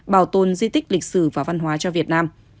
bảo tồn di tích lịch sử và văn hóa cho việt nam